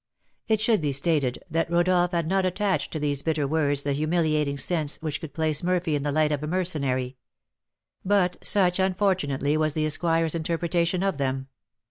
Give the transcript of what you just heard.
It should be stated that Rodolph had not attached to these bitter words the humiliating sense which could place Murphy in the light of a mercenary; but such, unfortunately, was the esquire's interpretation of them.